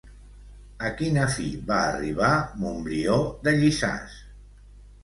A quina fi va arribar Montbrió de Llissàs?